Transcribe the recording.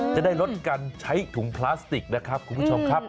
จะได้ลดการใช้ถุงพลาสติกนะครับคุณผู้ชมครับ